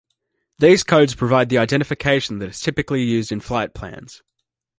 These codes provide the identification that is typically used in flight plans.